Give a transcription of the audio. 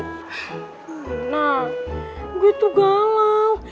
karena gue tuh galau